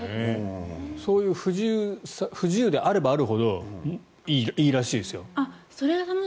そういう不自由であればあるほどいいらしいですよ。